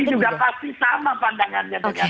mas adi juga pasti sama pandangannya dengan saya